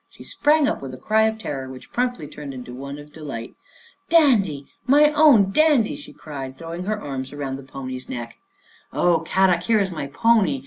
She sprang up with a cry of terror which promptly turned to one of delight. " Dandy, my own Dandy! " she cried, throw ing her arms around the pony's neck. " Oh, Kadok, here is my pony.